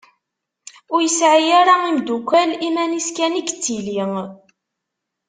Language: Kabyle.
Ur yesɛi ara imdukal, iman-is kan i yettili.